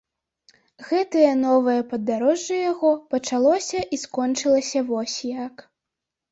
Гэтае новае падарожжа яго пачалося і скончылася вось як.